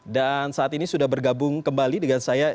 saat ini sudah bergabung kembali dengan saya